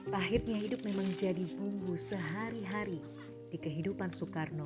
pahitnya hidup memang jadi bumbu sehari hari di kehidupan soekarno